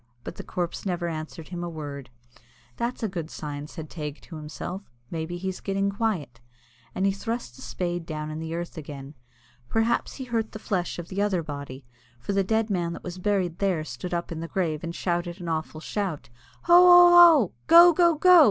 But the corpse never answered him a word. "That's a good sign," said Teig to himself. "Maybe he's getting quiet," and he thrust the spade down in the earth again. Perhaps he hurt the flesh of the other body, for the dead man that was buried there stood up in the grave, and shouted an awful shout. "Hoo! hoo!! hoo!!! Go! go!! go!!!